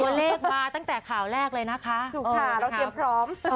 เลขมาตั้งแต่ข่าวแรกเลยนะคะถูกค่ะเราเตรียมพร้อม